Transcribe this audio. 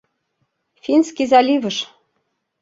Финский заливыш.